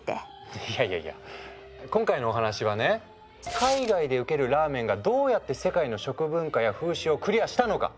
いやいやいや今回のお話はね海外でウケるラーメンがどうやって世界の食文化や風習をクリアしたのか。